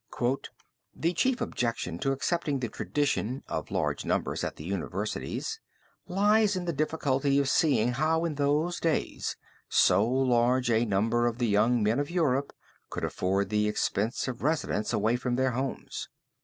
"The chief objection to accepting the tradition (of large numbers at the universities) lies in the difficulty of seeing how in those days, so large a number of the young men of Europe could afford the expense of residence away from their homes.